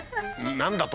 何だと？